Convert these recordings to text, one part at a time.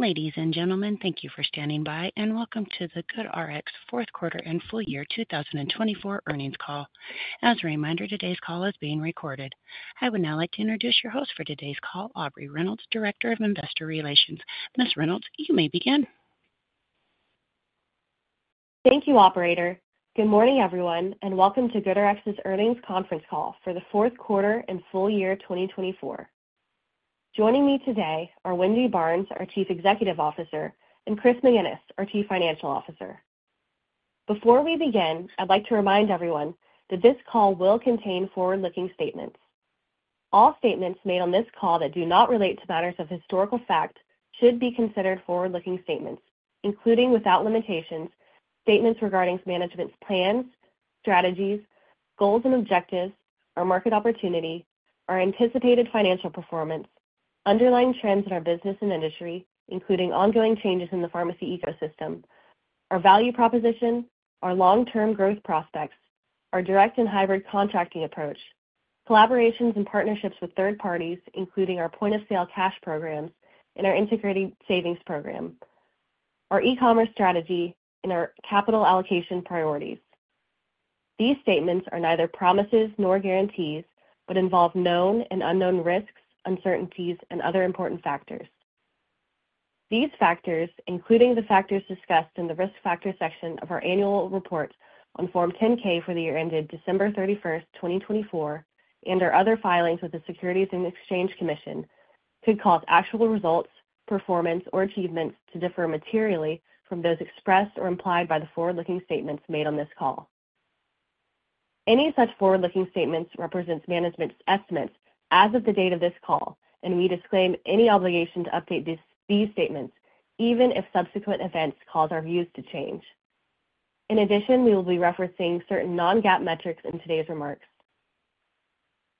Ladies and gentlemen, thank you for standing by, and welcome to the GoodRx Fourth Quarter and Full Year 2024 Earnings Call. As a reminder, today's call is being recorded. I would now like to introduce your host for today's call, Aubrey Reynolds, Director of Investor Relations. Ms. Reynolds, you may begin. Thank you, Operator. Good morning, everyone, and welcome to GoodRx's earnings conference call for the fourth quarter and full year 2024. Joining me today are Wendy Barnes, our Chief Executive Officer, and Chris McGinnis, our Chief Financial Officer. Before we begin, I'd like to remind everyone that this call will contain forward-looking statements. All statements made on this call that do not relate to matters of historical fact should be considered forward-looking statements, including without limitations, statements regarding management's plans, strategies, goals and objectives, our market opportunity, our anticipated financial performance, underlying trends in our business and industry, including ongoing changes in the pharmacy ecosystem, our value proposition, our long-term growth prospects, our direct and hybrid contracting approach, collaborations and partnerships with third parties, including our point-of-sale cash programs and our integrated savings program, our e-commerce strategy, and our capital allocation priorities. These statements are neither promises nor guarantees but involve known and unknown risks, uncertainties, and other important factors. These factors, including the factors discussed in the risk factor section of our annual report on Form 10-K for the year ended December 31st, 2024, and our other filings with the Securities and Exchange Commission, could cause actual results, performance, or achievements to differ materially from those expressed or implied by the forward-looking statements made on this call. Any such forward-looking statements represent management's estimates as of the date of this call, and we disclaim any obligation to update these statements, even if subsequent events cause our views to change. In addition, we will be referencing certain non-GAAP metrics in today's remarks.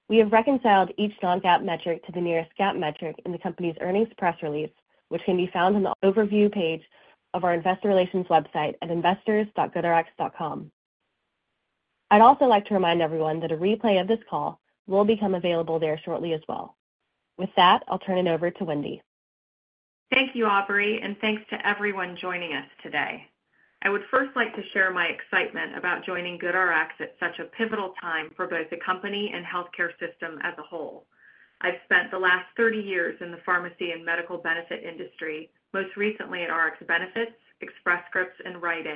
We have reconciled each non-GAAP metric to the nearest GAAP metric in the company's earnings press release, which can be found on the overview page of our investor relations website at investors.goodrx.com. I'd also like to remind everyone that a replay of this call will become available there shortly as well. With that, I'll turn it over to Wendy. Thank you, Aubrey, and thanks to everyone joining us today. I would first like to share my excitement about joining GoodRx at such a pivotal time for both the company and healthcare system as a whole. I've spent the last 30 years in the pharmacy and medical benefit industry, most recently at RxBenefits, Express Scripts, and Rite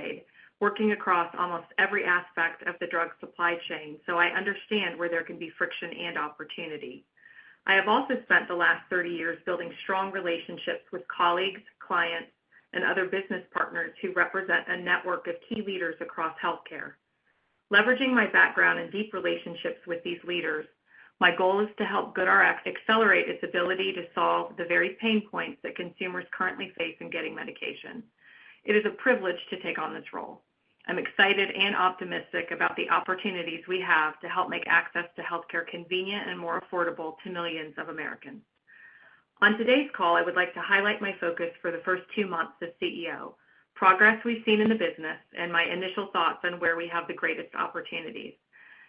Aid, working across almost every aspect of the drug supply chain, so I understand where there can be friction and opportunity. I have also spent the last 30 years building strong relationships with colleagues, clients, and other business partners who represent a network of key leaders across healthcare. Leveraging my background and deep relationships with these leaders, my goal is to help GoodRx accelerate its ability to solve the very pain points that consumers currently face in getting medication. It is a privilege to take on this role. I'm excited and optimistic about the opportunities we have to help make access to healthcare convenient and more affordable to millions of Americans. On today's call, I would like to highlight my focus for the first two months as CEO, progress we've seen in the business, and my initial thoughts on where we have the greatest opportunities.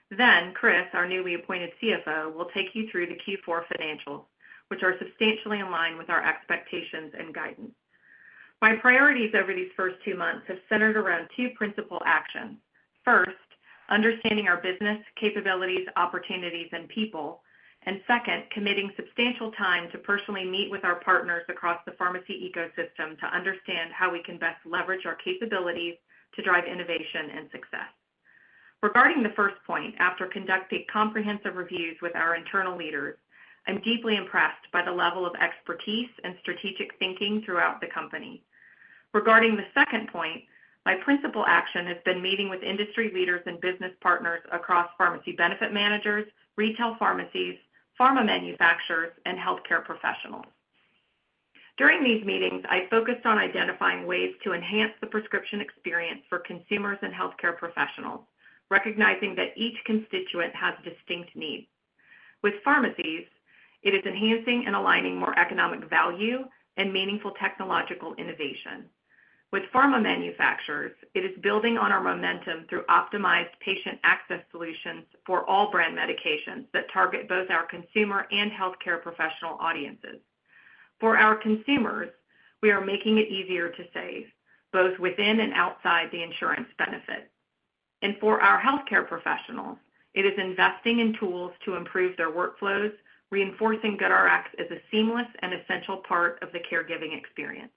Then, Chris, our newly appointed CFO, will take you through the Q4 financials, which are substantially in line with our expectations and guidance. My priorities over these first two months have centered around two principal actions. First, understanding our business, capabilities, opportunities, and people, and second, committing substantial time to personally meet with our partners across the pharmacy ecosystem to understand how we can best leverage our capabilities to drive innovation and success. Regarding the first point, after conducting comprehensive reviews with our internal leaders, I'm deeply impressed by the level of expertise and strategic thinking throughout the company. Regarding the second point, my principal action has been meeting with industry leaders and business partners across pharmacy benefit managers, retail pharmacies, pharma manufacturers, and healthcare professionals. During these meetings, I focused on identifying ways to enhance the prescription experience for consumers and healthcare professionals, recognizing that each constituent has distinct needs. With pharmacies, it is enhancing and aligning more economic value and meaningful technological innovation. With pharma manufacturers, it is building on our momentum through optimized patient access solutions for all brand medications that target both our consumer and healthcare professional audiences. For our consumers, we are making it easier to save, both within and outside the insurance benefit. For our healthcare professionals, it is investing in tools to improve their workflows, reinforcing GoodRx as a seamless and essential part of the caregiving experience.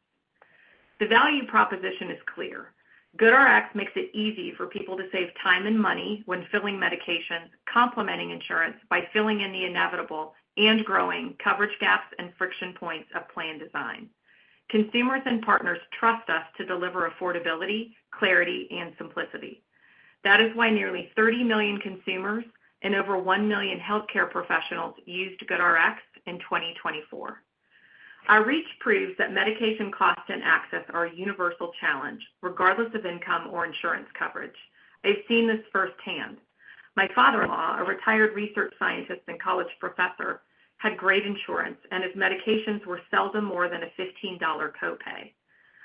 The value proposition is clear. GoodRx makes it easy for people to save time and money when filling medications, complementing insurance by filling in the inevitable and growing coverage gaps and friction points of plan design. Consumers and partners trust us to deliver affordability, clarity, and simplicity. That is why nearly 30 million consumers and over one million healthcare professionals used GoodRx in 2024. Our reach proves that medication costs and access are a universal challenge, regardless of income or insurance coverage. I've seen this firsthand. My father-in-law, a retired research scientist and college professor, had great insurance, and his medications were seldom more than a $15 copay.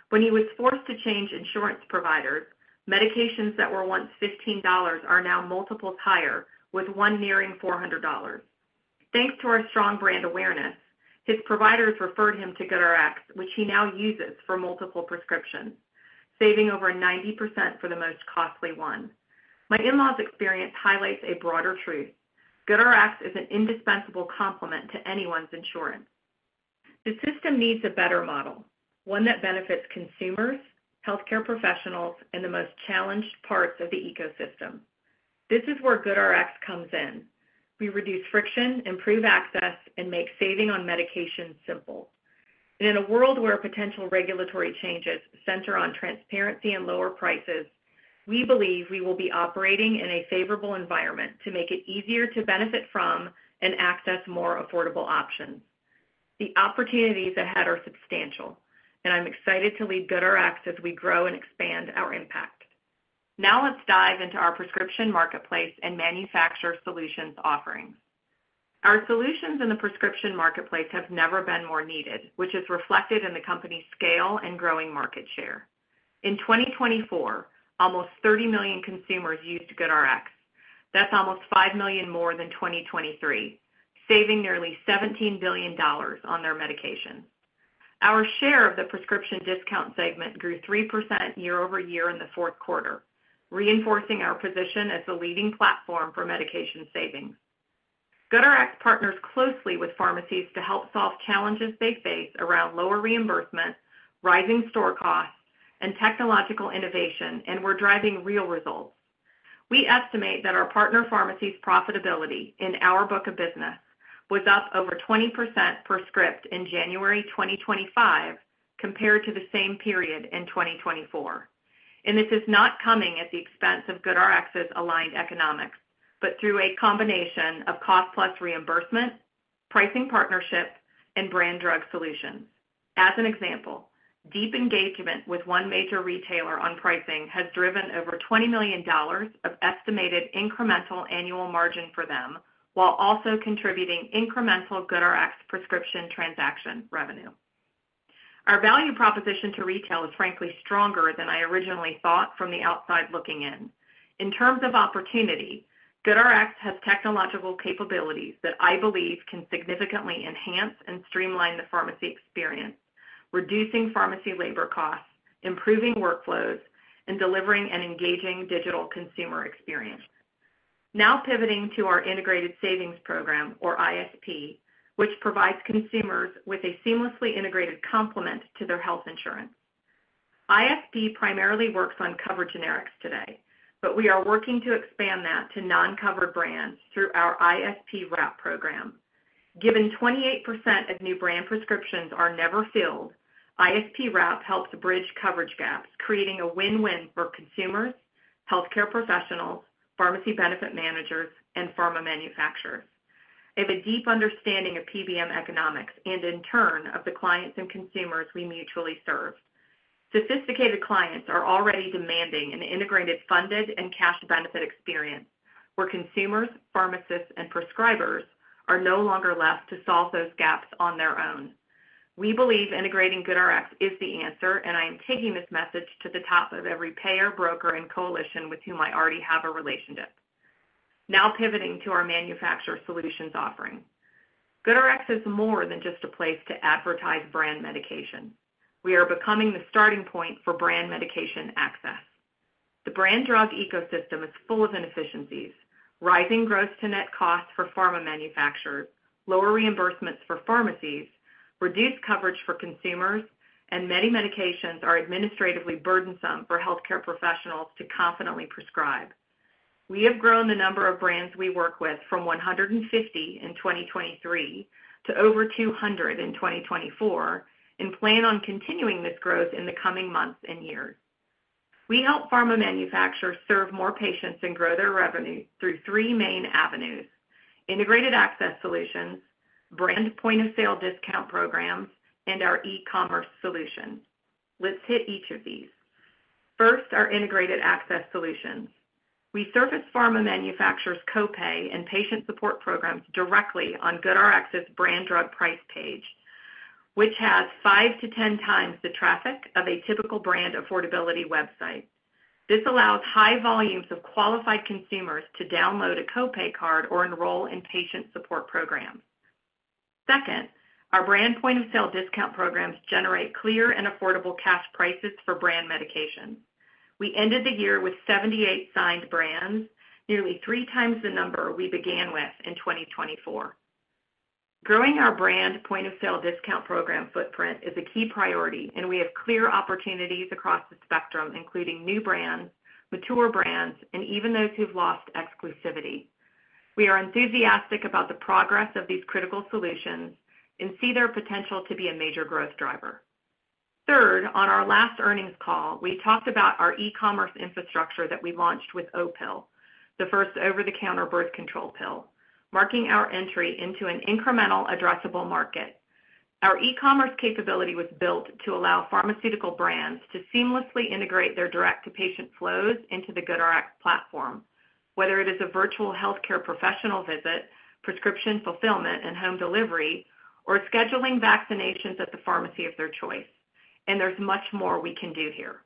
When he was forced to change insurance providers, medications that were once $15 are now multiples higher, with one nearing $400. Thanks to our strong brand awareness, his providers referred him to GoodRx, which he now uses for multiple prescriptions, saving over 90% for the most costly one. My in-laws' experience highlights a broader truth: GoodRx is an indispensable complement to anyone's insurance. The system needs a better model, one that benefits consumers, healthcare professionals, and the most challenged parts of the ecosystem. This is where GoodRx comes in. We reduce friction, improve access, and make saving on medication simple. In a world where potential regulatory changes center on transparency and lower prices, we believe we will be operating in a favorable environment to make it easier to benefit from and access more affordable options. The opportunities ahead are substantial, and I'm excited to lead GoodRx as we grow and expand our impact. Now let's dive into our prescription marketplace and manufacturer solutions offerings. Our solutions in the prescription marketplace have never been more needed, which is reflected in the company's scale and growing market share. In 2024, almost 30 million consumers used GoodRx. That's almost five million more than 2023, saving nearly $17 billion on their medications. Our share of the prescription discount segment grew 3% year over year in the fourth quarter, reinforcing our position as a leading platform for medication savings. GoodRx partners closely with pharmacies to help solve challenges they face around lower reimbursement, rising store costs, and technological innovation, and we're driving real results. We estimate that our partner pharmacies' profitability in our book of business was up over 20% per script in January 2025 compared to the same period in 2024, and this is not coming at the expense of GoodRx's aligned economics, but through a combination of cost-plus reimbursement, pricing partnership, and brand drug solutions. As an example, deep engagement with one major retailer on pricing has driven over $20 million of estimated incremental annual margin for them, while also contributing incremental GoodRx prescription transaction revenue. Our value proposition to retail is frankly stronger than I originally thought from the outside looking in. In terms of opportunity, GoodRx has technological capabilities that I believe can significantly enhance and streamline the pharmacy experience, reducing pharmacy labor costs, improving workflows, and delivering an engaging digital consumer experience. Now pivoting to our Integrated Savings Program, or ISP, which provides consumers with a seamlessly integrated complement to their health insurance. ISP primarily works on covered generics today, but we are working to expand that to non-covered brands through our ISP Wrap program. Given 28% of new brand prescriptions are never filled, ISP Wrap helps bridge coverage gaps, creating a win-win for consumers, healthcare professionals, pharmacy benefit managers, and pharma manufacturers. I have a deep understanding of PBM economics and, in turn, of the clients and consumers we mutually serve. Sophisticated clients are already demanding an integrated funded and cash benefit experience where consumers, pharmacists, and prescribers are no longer left to solve those gaps on their own. We believe integrating GoodRx is the answer, and I am taking this message to the top of every payer, broker, and coalition with whom I already have a relationship. Now pivoting to our Manufacturer Solutions offering. GoodRx is more than just a place to advertise brand medication. We are becoming the starting point for brand medication access. The brand drug ecosystem is full of inefficiencies, rising gross-to-net costs for pharma manufacturers, lower reimbursements for pharmacies, reduced coverage for consumers, and many medications are administratively burdensome for healthcare professionals to confidently prescribe. We have grown the number of brands we work with from 150 in 2023 to over 200 in 2024 and plan on continuing this growth in the coming months and years. We help pharma manufacturers serve more patients and grow their revenue through three main avenues: integrated access solutions, brand point-of-sale discount programs, and our e-commerce solutions. Let's hit each of these. First, our integrated access solutions. We surface pharma manufacturers' copay and patient support programs directly on GoodRx's brand drug price page, which has five to 10 times the traffic of a typical brand affordability website. This allows high volumes of qualified consumers to download a copay card or enroll in patient support programs. Second, our brand point-of-sale discount programs generate clear and affordable cash prices for brand medications. We ended the year with 78 signed brands, nearly three times the number we began with in 2024. Growing our brand point-of-sale discount program footprint is a key priority, and we have clear opportunities across the spectrum, including new brands, mature brands, and even those who've lost exclusivity. We are enthusiastic about the progress of these critical solutions and see their potential to be a major growth driver. Third, on our last earnings call, we talked about our e-commerce infrastructure that we launched with Opill, the first over-the-counter birth control pill, marking our entry into an incremental addressable market. Our e-commerce capability was built to allow pharmaceutical brands to seamlessly integrate their direct-to-patient flows into the GoodRx platform, whether it is a virtual healthcare professional visit, prescription fulfillment and home delivery, or scheduling vaccinations at the pharmacy of their choice, and there's much more we can do here.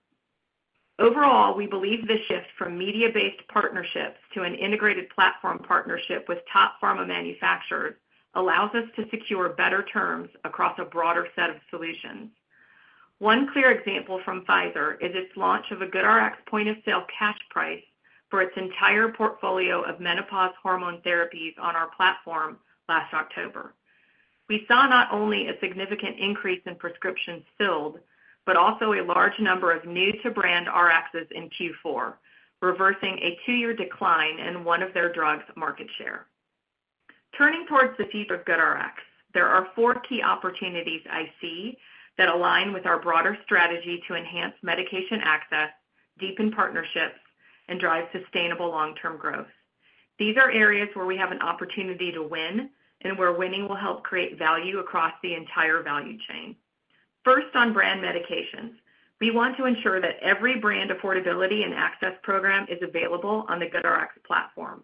Overall, we believe this shift from media-based partnerships to an integrated platform partnership with top pharma manufacturers allows us to secure better terms across a broader set of solutions. One clear example from Pfizer is its launch of a GoodRx point-of-sale cash price for its entire portfolio of menopause hormone therapies on our platform last October. We saw not only a significant increase in prescriptions filled, but also a large number of new-to-brand Rxs in Q4, reversing a two-year decline in one of their drugs' market share. Turning towards the future of GoodRx, there are four key opportunities I see that align with our broader strategy to enhance medication access, deepen partnerships, and drive sustainable long-term growth. These are areas where we have an opportunity to win, and where winning will help create value across the entire value chain. First, on brand medications, we want to ensure that every brand affordability and access program is available on the GoodRx platform.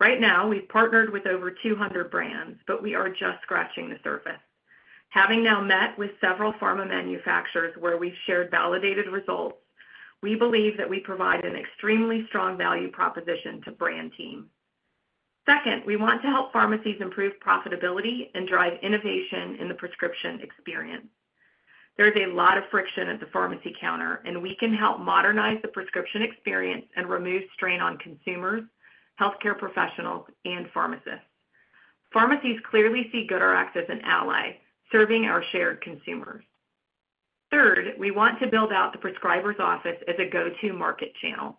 Right now, we've partnered with over 200 brands, but we are just scratching the surface. Having now met with several pharma manufacturers where we've shared validated results, we believe that we provide an extremely strong value proposition to brand team. Second, we want to help pharmacies improve profitability and drive innovation in the prescription experience. There's a lot of friction at the pharmacy counter, and we can help modernize the prescription experience and remove strain on consumers, healthcare professionals, and pharmacists. Pharmacies clearly see GoodRx as an ally, serving our shared consumers. Third, we want to build out the prescriber's office as a go-to market channel.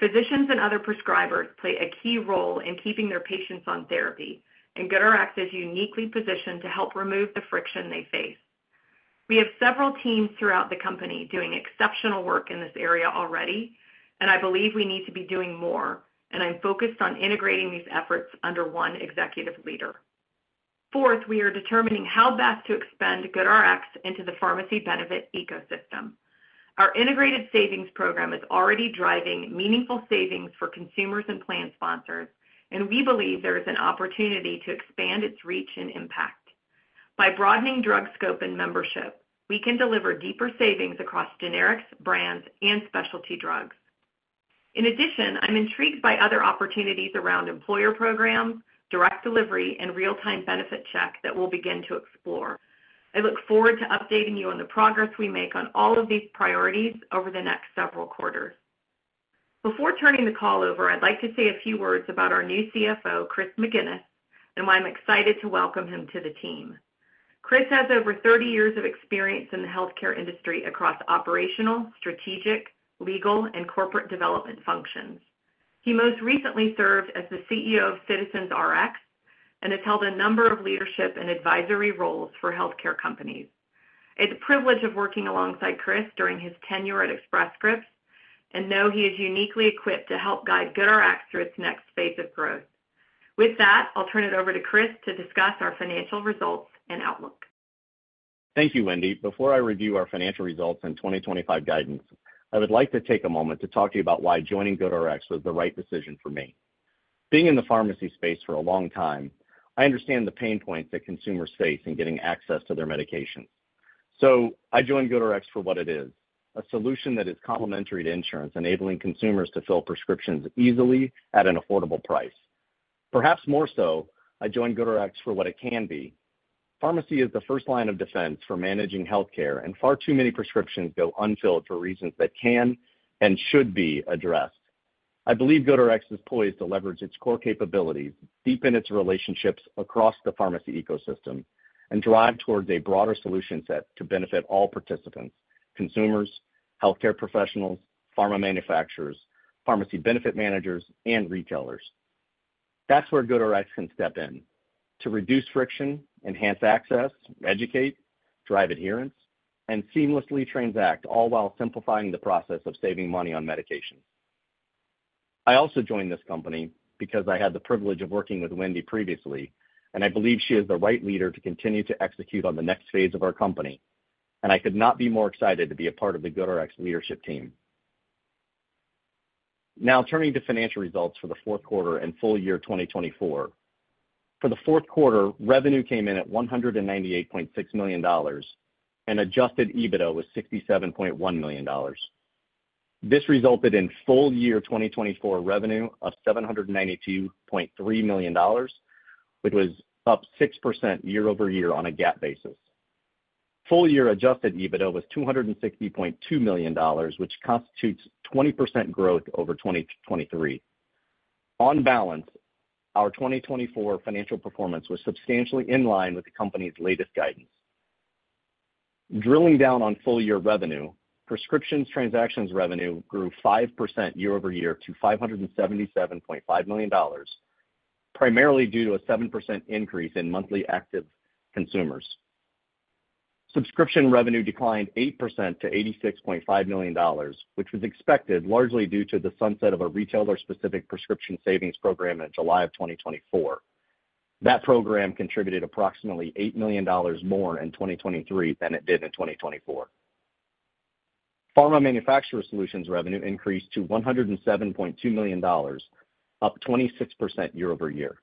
Physicians and other prescribers play a key role in keeping their patients on therapy, and GoodRx is uniquely positioned to help remove the friction they face. We have several teams throughout the company doing exceptional work in this area already, and I believe we need to be doing more, and I'm focused on integrating these efforts under one executive leader. Fourth, we are determining how best to expand GoodRx into the pharmacy benefit ecosystem. Our integrated savings program is already driving meaningful savings for consumers and plan sponsors, and we believe there is an opportunity to expand its reach and impact. By broadening drug scope and membership, we can deliver deeper savings across generics, brands, and specialty drugs. In addition, I'm intrigued by other opportunities around employer programs, direct delivery, and real-time benefit check that we'll begin to explore. I look forward to updating you on the progress we make on all of these priorities over the next several quarters. Before turning the call over, I'd like to say a few words about our new CFO, Chris McGinnis, and why I'm excited to welcome him to the team. Chris has over 30 years of experience in the healthcare industry across operational, strategic, legal, and corporate development functions. He most recently served as the CEO of Citizens Rx and has held a number of leadership and advisory roles for healthcare companies. It's a privilege of working alongside Chris during his tenure at Express Scripts, and I know he is uniquely equipped to help guide GoodRx through its next phase of growth. With that, I'll turn it over to Chris to discuss our financial results and outlook. Thank you, Wendy. Before I review our financial results and 2025 guidance, I would like to take a moment to talk to you about why joining GoodRx was the right decision for me. Being in the pharmacy space for a long time, I understand the pain points that consumers face in getting access to their medications. So I joined GoodRx for what it is: a solution that is complementary to insurance, enabling consumers to fill prescriptions easily at an affordable price. Perhaps more so, I joined GoodRx for what it can be. Pharmacy is the first line of defense for managing healthcare, and far too many prescriptions go unfilled for reasons that can and should be addressed. I believe GoodRx is poised to leverage its core capabilities, deepen its relationships across the pharmacy ecosystem, and drive towards a broader solution set to benefit all participants: consumers, healthcare professionals, pharma manufacturers, pharmacy benefit managers, and retailers. That's where GoodRx can step in to reduce friction, enhance access, educate, drive adherence, and seamlessly transact, all while simplifying the process of saving money on medications. I also joined this company because I had the privilege of working with Wendy previously, and I believe she is the right leader to continue to execute on the next phase of our company. I could not be more excited to be a part of the GoodRx leadership team. Now turning to financial results for the fourth quarter and full year 2024. For the fourth quarter, revenue came in at $198.6 million and Adjusted EBITDA was $67.1 million. This resulted in full year 2024 revenue of $792.3 million, which was up 6% year over year on a GAAP basis. Full year Adjusted EBITDA was $260.2 million, which constitutes 20% growth over 2023. On balance, our 2024 financial performance was substantially in line with the company's latest guidance. Drilling down on full year revenue, prescription transactions revenue grew 5% year over year to $577.5 million, primarily due to a 7% increase in monthly active consumers. Subscription revenue declined 8% to $86.5 million, which was expected largely due to the sunset of a retailer-specific prescription savings program in July of 2024. That program contributed approximately $8 million more in 2023 than it did in 2024. Manufacturer Solutions revenue increased to $107.2 million, up 26% year over year.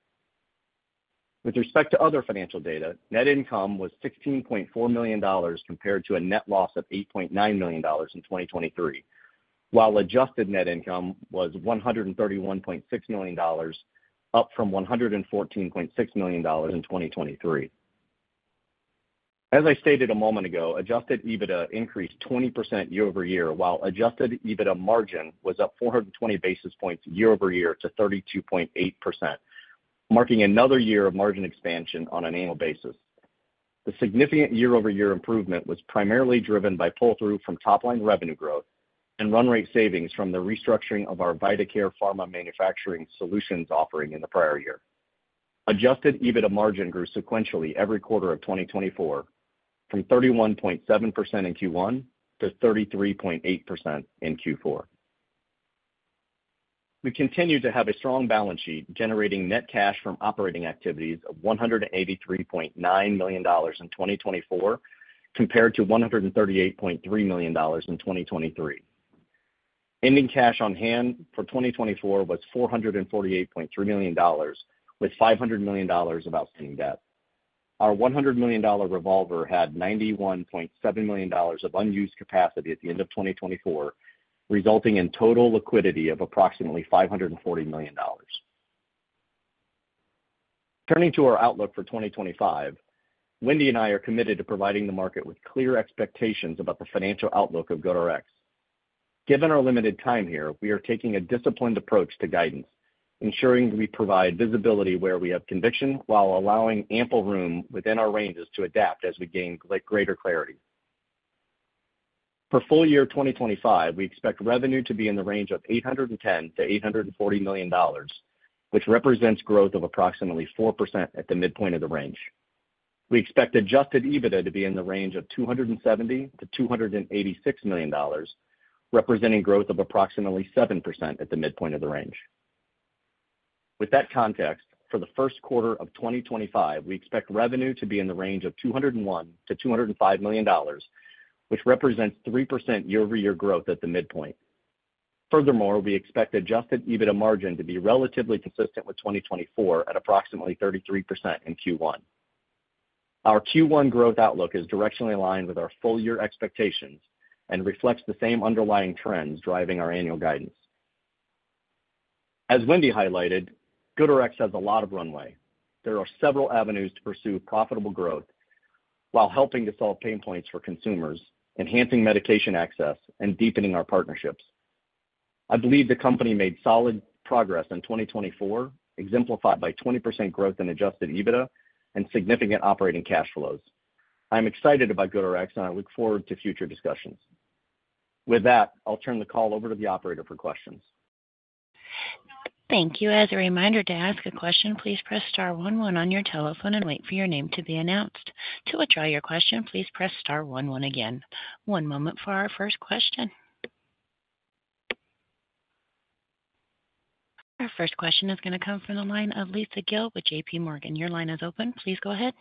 With respect to other financial data, net income was $16.4 million compared to a net loss of $8.9 million in 2023, while adjusted net income was $131.6 million, up from $114.6 million in 2023. As I stated a moment ago, Adjusted EBITDA increased 20% year over year, while Adjusted EBITDA margin was up 420 basis points year over year to 32.8%, marking another year of margin expansion on an annual basis. The significant year-over-year improvement was primarily driven by pull-through from top-line revenue growth and run-rate savings from the restructuring of our VitaCare pharma manufacturer solutions offering in the prior year. Adjusted EBITDA margin grew sequentially every quarter of 2024, from 31.7% in Q1 to 33.8% in Q4. We continue to have a strong balance sheet, generating net cash from operating activities of $183.9 million in 2024 compared to $138.3 million in 2023. Ending cash on hand for 2024 was $448.3 million, with $500 million in outstanding debt. Our $100 million revolver had $91.7 million of unused capacity at the end of 2024, resulting in total liquidity of approximately $540 million. Turning to our outlook for 2025, Wendy and I are committed to providing the market with clear expectations about the financial outlook of GoodRx. Given our limited time here, we are taking a disciplined approach to guidance, ensuring we provide visibility where we have conviction while allowing ample room within our ranges to adapt as we gain greater clarity. For full year 2025, we expect revenue to be in the range of $810-$840 million, which represents growth of approximately 4% at the midpoint of the range. We expect Adjusted EBITDA to be in the range of $270-$286 million, representing growth of approximately 7% at the midpoint of the range. With that context, for the first quarter of 2025, we expect revenue to be in the range of $201-$205 million, which represents 3% year-over-year growth at the midpoint. Furthermore, we expect Adjusted EBITDA margin to be relatively consistent with 2024 at approximately 33% in Q1. Our Q1 growth outlook is directionally aligned with our full year expectations and reflects the same underlying trends driving our annual guidance. As Wendy highlighted, GoodRx has a lot of runway. There are several avenues to pursue profitable growth while helping to solve pain points for consumers, enhancing medication access, and deepening our partnerships. I believe the company made solid progress in 2024, exemplified by 20% growth in Adjusted EBITDA and significant operating cash flows. I'm excited about GoodRx, and I look forward to future discussions. With that, I'll turn the call over to the operator for questions. Thank you. As a reminder, to ask a question, please press star 11 on your telephone and wait for your name to be announced. To withdraw your question, please press star 11 again. One moment for our first question. Our first question is going to come from the line of Lisa Gill with J.P. Morgan. Your line is open. Please go ahead.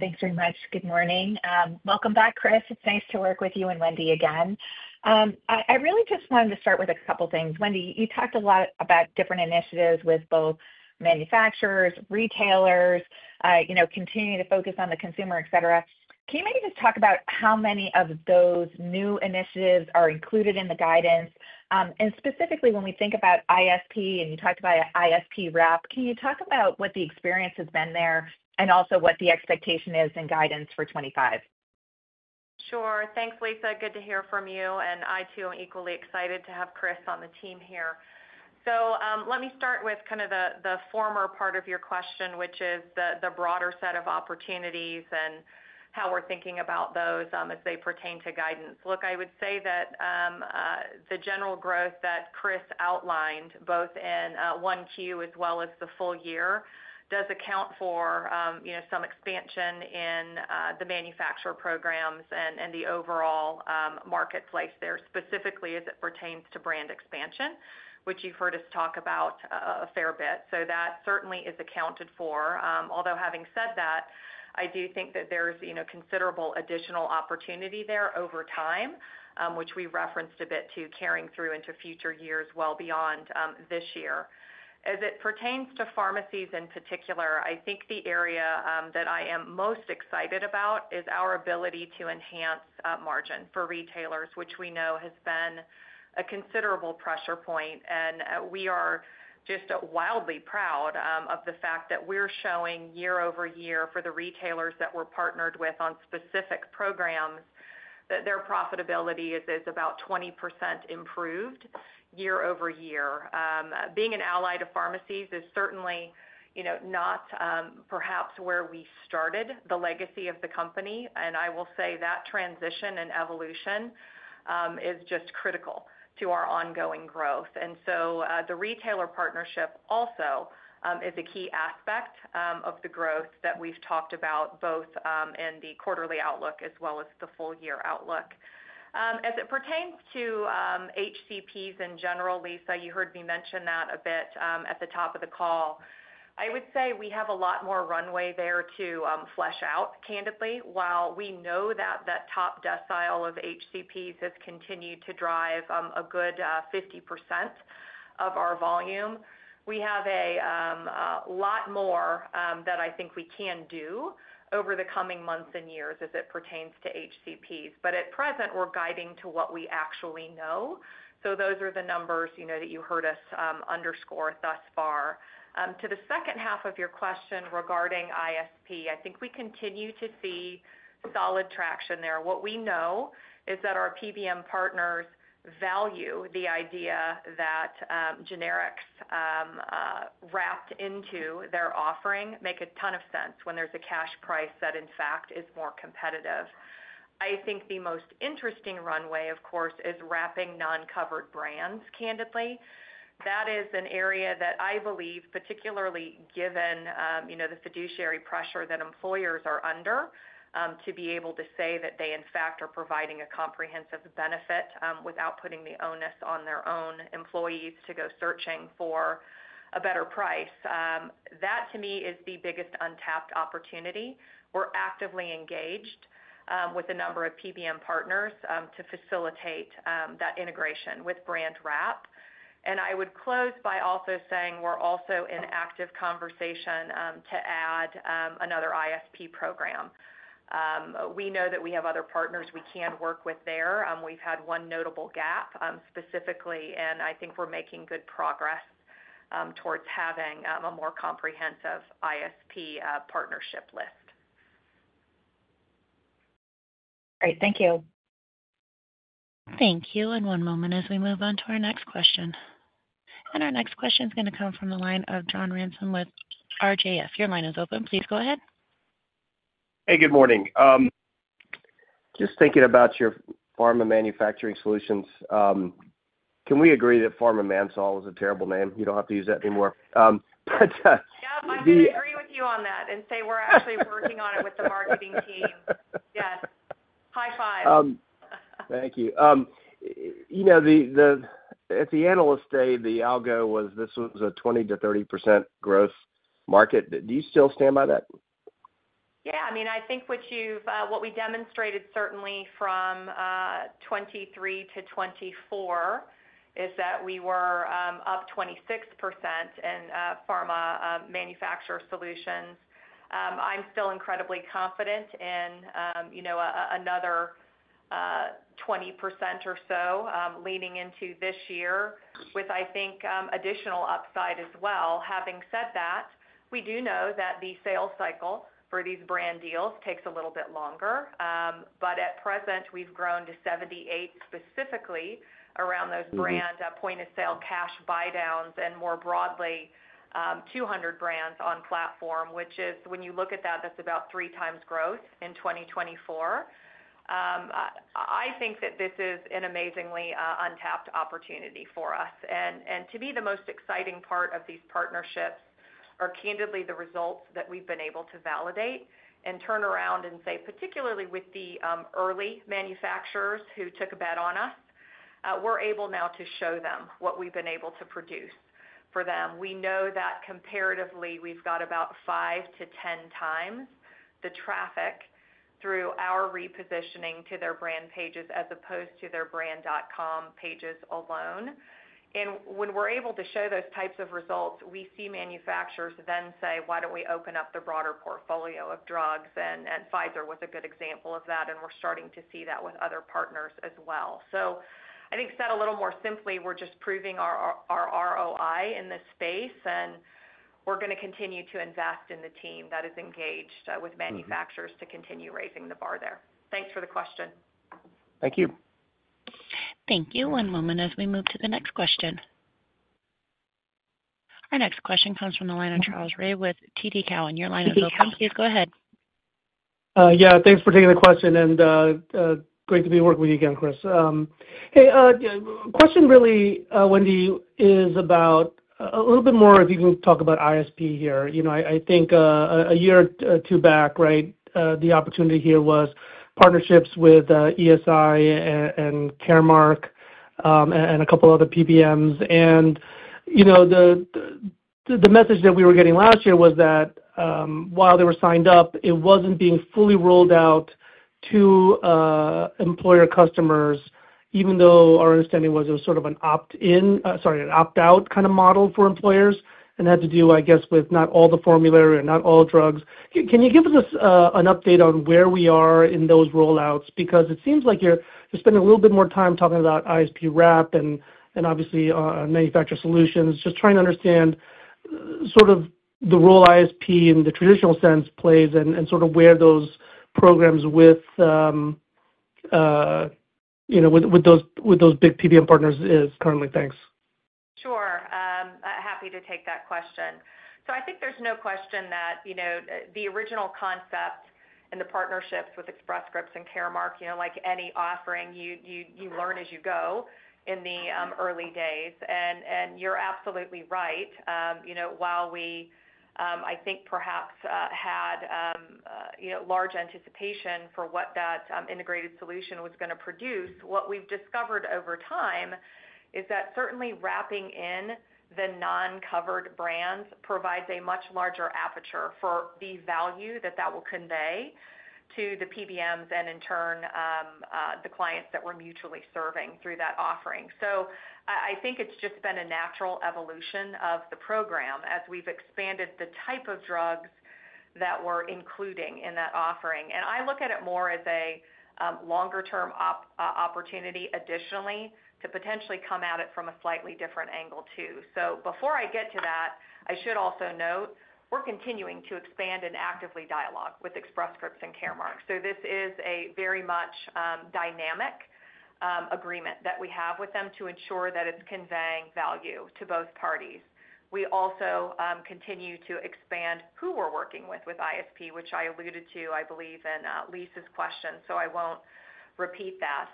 Thanks very much. Good morning. Welcome back, Chris. It's nice to work with you and Wendy again. I really just wanted to start with a couple of things. Wendy, you talked a lot about different initiatives with both manufacturers, retailers, continuing to focus on the consumer, etc. Can you maybe just talk about how many of those new initiatives are included in the guidance? And specifically, when we think about ISP, and you talked about ISP Wrap, can you talk about what the experience has been there and also what the expectation is in guidance for 2025? Sure. Thanks, Lisa. Good to hear from you. And I too am equally excited to have Chris on the team here. So let me start with kind of the former part of your question, which is the broader set of opportunities and how we're thinking about those as they pertain to guidance. Look, I would say that the general growth that Chris outlined, both in 1Q as well as the full year, does account for some expansion in the manufacturer programs and the overall marketplace there, specifically as it pertains to brand expansion, which you've heard us talk about a fair bit. So that certainly is accounted for. Although having said that, I do think that there's considerable additional opportunity there over time, which we referenced a bit to carrying through into future years well beyond this year. As it pertains to pharmacies in particular, I think the area that I am most excited about is our ability to enhance margin for retailers, which we know has been a considerable pressure point. We are just wildly proud of the fact that we're showing year over year for the retailers that we're partnered with on specific programs that their profitability is about 20% improved year over year. Being an ally to pharmacies is certainly not perhaps where we started the legacy of the company. I will say that transition and evolution is just critical to our ongoing growth. So the retailer partnership also is a key aspect of the growth that we've talked about both in the quarterly outlook as well as the full year outlook. As it pertains to HCPs in general, Lisa, you heard me mention that a bit at the top of the call. I would say we have a lot more runway there to flesh out, candidly. While we know that that top decile of HCPs has continued to drive a good 50% of our volume, we have a lot more that I think we can do over the coming months and years as it pertains to HCPs. But at present, we're guiding to what we actually know. So those are the numbers that you heard us underscore thus far. To the second half of your question regarding ISP, I think we continue to see solid traction there. What we know is that our PBM partners value the idea that generics wrapped into their offering makes a ton of sense when there's a cash price that, in fact, is more competitive. I think the most interesting runway, of course, is wrapping non-covered brands, candidly. That is an area that I believe, particularly given the fiduciary pressure that employers are under, to be able to say that they, in fact, are providing a comprehensive benefit without putting the onus on their own employees to go searching for a better price. That, to me, is the biggest untapped opportunity. We're actively engaged with a number of PBM partners to facilitate that integration with ISP wrap. And I would close by also saying we're also in active conversation to add another ISP program. We know that we have other partners we can work with there. We've had one notable gap specifically, and I think we're making good progress towards having a more comprehensive ISP partnership list. Great. Thank you. Thank you. And one moment as we move on to our next question. Our next question is going to come from the line of John Ransom with RJF. Your line is open. Please go ahead. Hey, good morning. Just thinking about your pharma manufacturer solutions, can we agree that Manufacturer Solutions is a terrible name? You don't have to use that anymore. But I would agree with you on that and say we're actually working on it with the marketing team. Yes. High five. Thank you. At the Analyst Day, though we said this was a 20%-30% growth market. Do you still stand by that? Yeah. I mean, I think what we demonstrated certainly from 2023 to 2024 is that we were up 26% in pharma manufacturer solutions. I'm still incredibly confident in another 20% or so leaning into this year with, I think, additional upside as well. Having said that, we do know that the sales cycle for these brand deals takes a little bit longer. But at present, we've grown to 78 specifically around those brand point-of-sale cash buy-downs and, more broadly, 200 brands on platform, which is, when you look at that, that's about three times growth in 2024. I think that this is an amazingly untapped opportunity for us. And to me, the most exciting part of these partnerships are candidly the results that we've been able to validate and turn around and say, particularly with the early manufacturers who took a bet on us, we're able now to show them what we've been able to produce for them. We know that comparatively, we've got about 5-10 times the traffic through our repositioning to their brand pages as opposed to their brand.com pages alone. And when we're able to show those types of results, we see manufacturers then say, "Why don't we open up the broader portfolio of drugs?" And Pfizer was a good example of that, and we're starting to see that with other partners as well. So I think said a little more simply, we're just proving our ROI in this space, and we're going to continue to invest in the team that is engaged with manufacturers to continue raising the bar there. Thanks for the question. Thank you. Thank you. One moment as we move to the next question. Our next question comes from the line of Charles Rhyee with TD Cowen. Your line is open. Please go ahead. Yeah. Thanks for taking the question and great to be working with you again, Chris. Hey, the question really, Wendy, is about a little bit more if you can talk about ISP here. I think a year or two back, right, the opportunity here was partnerships with ESI and Caremark and a couple of other PBMs, and the message that we were getting last year was that while they were signed up, it wasn't being fully rolled out to employer customers, even though our understanding was it was sort of an opt-in, sorry, an opt-out kind of model for employers, and had to do, I guess, with not all the formulary or not all drugs. Can you give us an update on where we are in those rollouts? Because it seems like you're spending a little bit more time talking about ISP wrap and obviously manufacturer solutions, just trying to understand sort of the role ISP in the traditional sense plays and sort of where those programs with those big PBM partners are currently? Thanks. Sure. Happy to take that question. So I think there's no question that the original concept and the partnerships with Express Scripts and Caremark, like any offering, you learn as you go in the early days. And you're absolutely right. While we, I think, perhaps had large anticipation for what that integrated solution was going to produce, what we've discovered over time is that certainly wrapping in the non-covered brands provides a much larger aperture for the value that that will convey to the PBMs and, in turn, the clients that we're mutually serving through that offering. So I think it's just been a natural evolution of the program as we've expanded the type of drugs that we're including in that offering. And I look at it more as a longer-term opportunity additionally to potentially come at it from a slightly different angle too. So before I get to that, I should also note we're continuing to expand and actively dialogue with Express Scripts and Caremark. So this is a very much dynamic agreement that we have with them to ensure that it's conveying value to both parties. We also continue to expand who we're working with with ISP, which I alluded to, I believe, in Lisa's question, so I won't repeat that.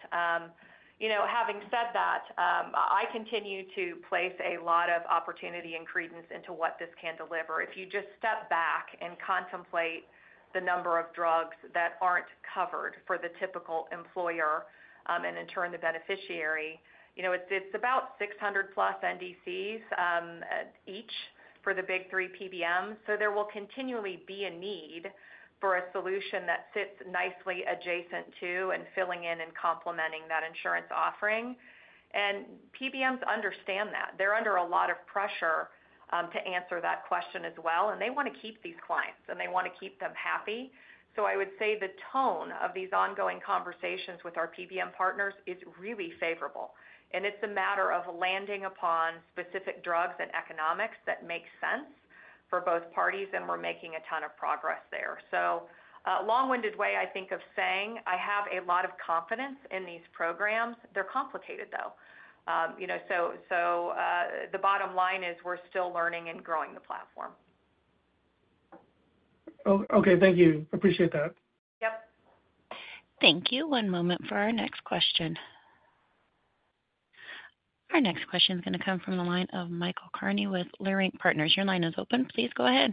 Having said that, I continue to place a lot of opportunity and credence into what this can deliver. If you just step back and contemplate the number of drugs that aren't covered for the typical employer and, in turn, the beneficiary, it's about 600-plus NDCs each for the big three PBMs. So there will continually be a need for a solution that sits nicely adjacent to and filling in and complementing that insurance offering. And PBMs understand that. They're under a lot of pressure to answer that question as well. And they want to keep these clients, and they want to keep them happy. So I would say the tone of these ongoing conversations with our PBM partners is really favorable. And it's a matter of landing upon specific drugs and economics that make sense for both parties, and we're making a ton of progress there. So long-winded way, I think, of saying I have a lot of confidence in these programs. They're complicated, though. So the bottom line is we're still learning and growing the platform. Okay. Thank you. Appreciate that. Yep. Thank you. One moment for our next question. Our next question is going to come from the line of Michael Cherny with Leerink Partners. Your line is open. Please go ahead.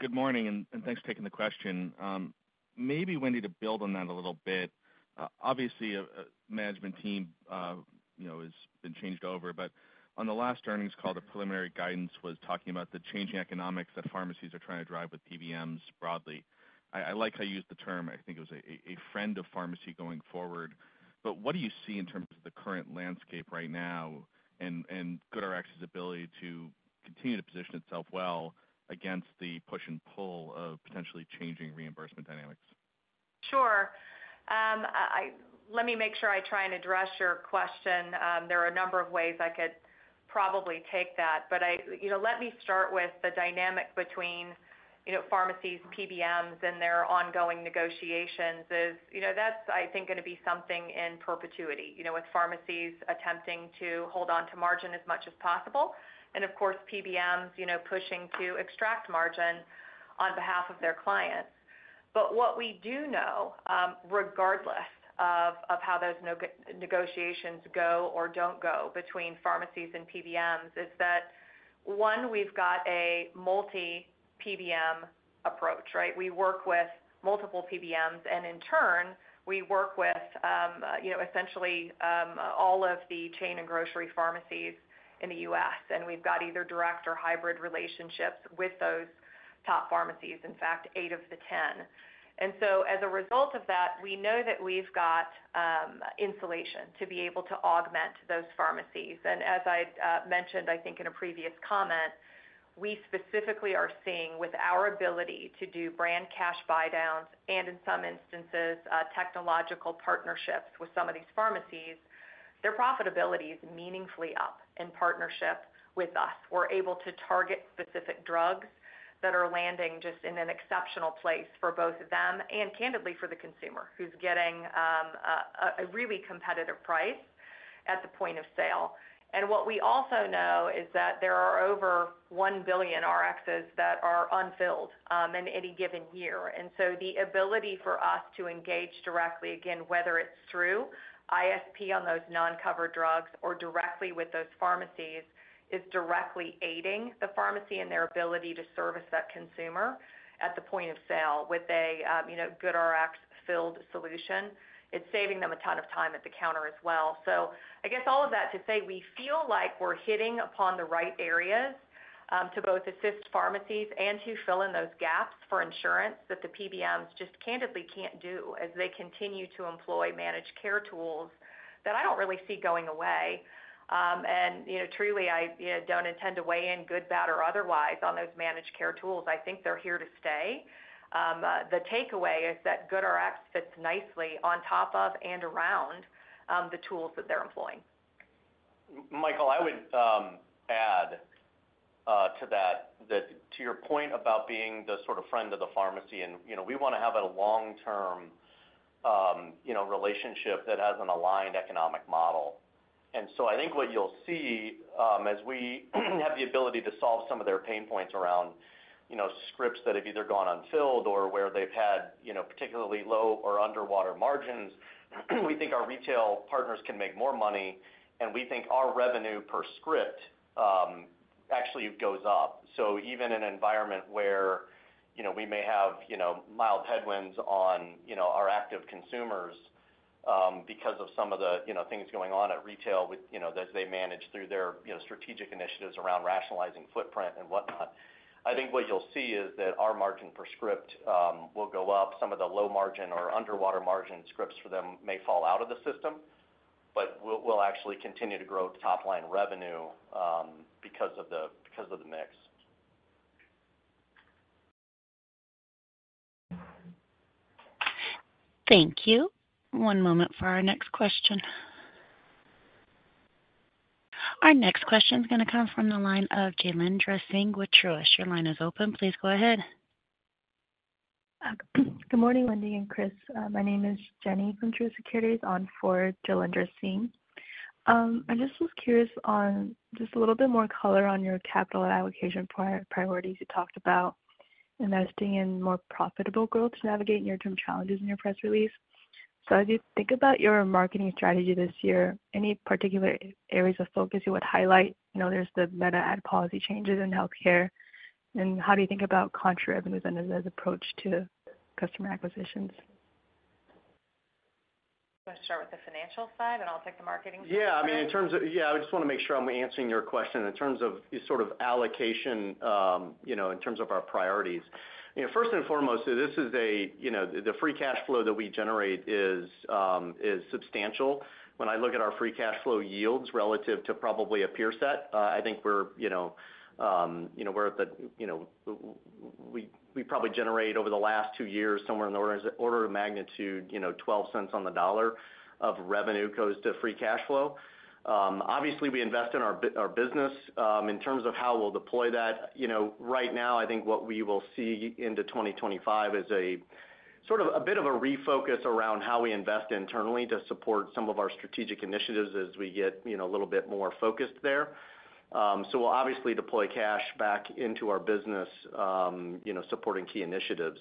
Good morning, and thanks for taking the question. Maybe, Wendy, to build on that a little bit. Obviously, a management team has been changed over. But on the last earnings call, the preliminary guidance was talking about the changing economics that pharmacies are trying to drive with PBMs broadly. I like how you used the term. I think it was a friend of pharmacy going forward. But what do you see in terms of the current landscape right now and GoodRx's ability to continue to position itself well against the push and pull of potentially changing reimbursement dynamics? Sure. Let me make sure I try and address your question. There are a number of ways I could probably take that. But let me start with the dynamic between pharmacies, PBMs, and their ongoing negotiations. That's, I think, going to be something in perpetuity with pharmacies attempting to hold on to margin as much as possible. And, of course, PBMs pushing to extract margin on behalf of their clients. But what we do know, regardless of how those negotiations go or don't go between pharmacies and PBMs, is that, one, we've got a multi-PBM approach, right? We work with multiple PBMs. And, in turn, we work with essentially all of the chain and grocery pharmacies in the U.S. And we've got either direct or hybrid relationships with those top pharmacies, in fact, eight of the 10. And so, as a result of that, we know that we've got insulation to be able to augment those pharmacies. And, as I mentioned, I think, in a previous comment, we specifically are seeing, with our ability to do brand cash buy-downs and, in some instances, technological partnerships with some of these pharmacies, their profitability is meaningfully up in partnership with us. We're able to target specific drugs that are landing just in an exceptional place for both of them and, candidly, for the consumer who's getting a really competitive price at the point of sale. And what we also know is that there are over 1 billion RXs that are unfilled in any given year. And so the ability for us to engage directly, again, whether it's through ISP on those non-covered drugs or directly with those pharmacies, is directly aiding the pharmacy and their ability to service that consumer at the point of sale with a GoodRx-filled solution. It's saving them a ton of time at the counter as well. So, I guess, all of that to say we feel like we're hitting upon the right areas to both assist pharmacies and to fill in those gaps for insurance that the PBMs just candidly can't do as they continue to employ managed care tools that I don't really see going away. And, truly, I don't intend to weigh in, good, bad, or otherwise on those managed care tools. I think they're here to stay. The takeaway is that GoodRx fits nicely on top of and around the tools that they're employing. Michael, I would add to that, to your point about being the sort of friend of the pharmacy, and we want to have a long-term relationship that has an aligned economic model, and so I think what you'll see as we have the ability to solve some of their pain points around scripts that have either gone unfilled or where they've had particularly low or underwater margins, we think our retail partners can make more money, and we think our revenue per script actually goes up, so even in an environment where we may have mild headwinds on our active consumers because of some of the things going on at retail as they manage through their strategic initiatives around rationalizing footprint and whatnot, I think what you'll see is that our margin per script will go up. Some of the low-margin or underwater-margin scripts for them may fall out of the system, but we'll actually continue to grow top-line revenue because of the mix. Thank you. One moment for our next question. Our next question is going to come from the line of Jailendra Singh with Truist. Your line is open. Please go ahead. Good morning, Wendy and Chris. My name is Jenny from Truist Securities on for Jailendra Singh. I just was curious on just a little bit more color on your capital allocation priorities. You talked about investing in more profitable growth to navigate near-term challenges in your press release. So, as you think about your marketing strategy this year, any particular areas of focus you would highlight? There's the Meta ad policy changes in healthcare. And how do you think about contra revenues as an approach to customer acquisitions? Do you want to start with the financial side, and I'll take the marketing side? Yeah. I mean, in terms of, I just want to make sure I'm answering your question in terms of sort of allocation, in terms of our priorities. First and foremost, the free cash flow that we generate is substantial. When I look at our free cash flow yields relative to probably a peer set, I think we probably generate, over the last two years, somewhere in the order of magnitude 12 cents on the dollar of revenue goes to free cash flow. Obviously, we invest in our business. In terms of how we'll deploy that, right now, I think what we will see into 2025 is sort of a bit of a refocus around how we invest internally to support some of our strategic initiatives as we get a little bit more focused there. So, we'll obviously deploy cash back into our business, supporting key initiatives.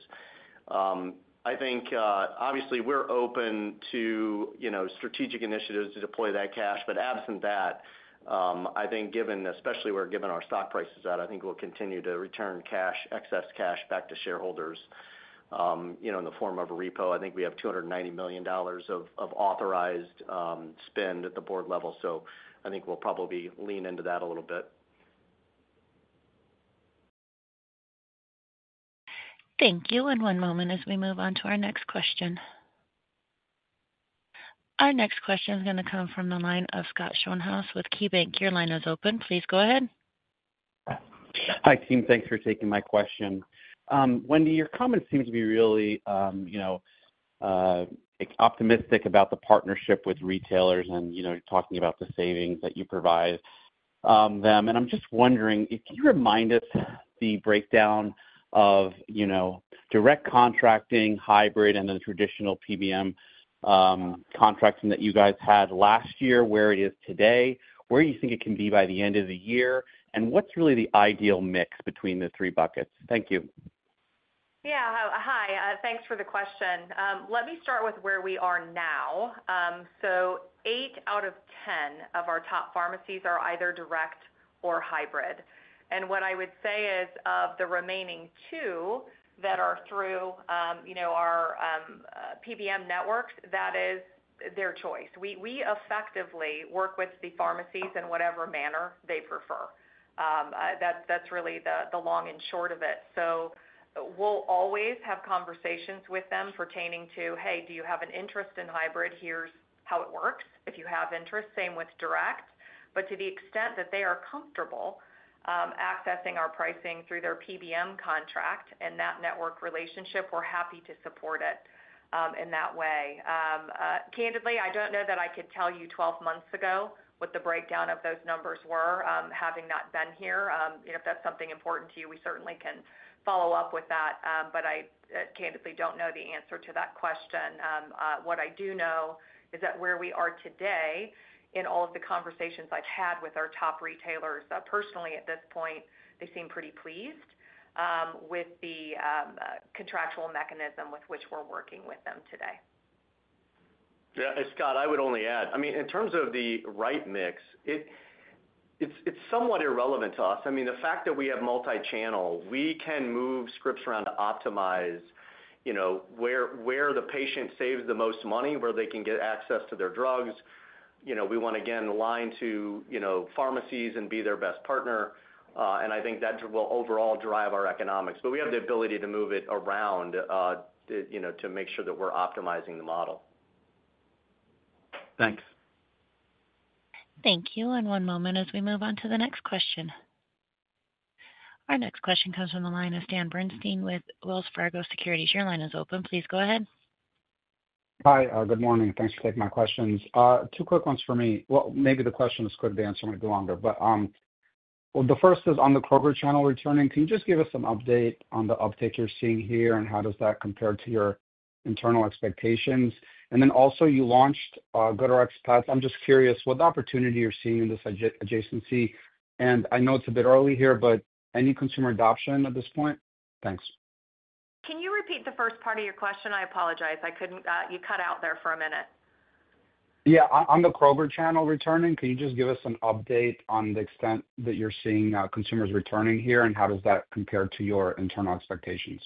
I think, obviously, we're open to strategic initiatives to deploy that cash. But absent that, I think, especially where given our stock prices at, I think we'll continue to return cash, excess cash, back to shareholders in the form of a repo. I think we have $290 million of authorized spend at the board level. So, I think we'll probably lean into that a little bit. Thank you. And one moment as we move on to our next question. Our next question is going to come from the line of Scott Schoenhaus with KeyBanc Capital Markets. Your line is open. Please go ahead. Hi, team. Thanks for taking my question. Wendy, your comments seem to be really optimistic about the partnership with retailers and talking about the savings that you provide them. And I'm just wondering, can you remind us the breakdown of direct contracting, hybrid, and then traditional PBM contracting that you guys had last year, where it is today, where you think it can be by the end of the year, and what's really the ideal mix between the three buckets? Thank you. Yeah. Hi. Thanks for the question. Let me start with where we are now. So, eight out of 10 of our top pharmacies are either direct or hybrid. What I would say is, of the remaining two that are through our PBM networks, that is their choice. We effectively work with the pharmacies in whatever manner they prefer. That's really the long and short of it. So, we'll always have conversations with them pertaining to, "Hey, do you have an interest in hybrid? Here's how it works," if you have interest. Same with direct. But to the extent that they are comfortable accessing our pricing through their PBM contract and that network relationship, we're happy to support it in that way. Candidly, I don't know that I could tell you 12 months ago what the breakdown of those numbers were, having not been here. If that's something important to you, we certainly can follow up with that. But I candidly don't know the answer to that question. What I do know is that where we are today, in all of the conversations I've had with our top retailers, personally, at this point, they seem pretty pleased with the contractual mechanism with which we're working with them today. Yeah. And, Scott, I would only add, I mean, in terms of the right mix, it's somewhat irrelevant to us. I mean, the fact that we have multi-channel, we can move scripts around to optimize where the patient saves the most money, where they can get access to their drugs. We want, again, to align to pharmacies and be their best partner. And I think that will overall drive our economics. But we have the ability to move it around to make sure that we're optimizing the model. Thanks. Thank you. And one moment as we move on to the next question. Our next question comes from the line of Stan Berenshteyn with Wells Fargo Securities. Your line is open. Please go ahead. Hi. Good morning. Thanks for taking my questions. Two quick ones for me. Well, maybe the question is quick, the answer might be longer. But the first is on the corporate channel returning. Can you just give us an update on the uptick you're seeing here, and how does that compare to your internal expectations? And then, also, you launched GoodRx Path. I'm just curious what opportunity you're seeing in this adjacency. And I know it's a bit early here, but any consumer adoption at this point? Thanks. Can you repeat the first part of your question? I apologize. You cut out there for a minute. Yeah. On the corporate channel returning, can you just give us an update on the extent that you're seeing consumers returning here, and how does that compare to your internal expectations?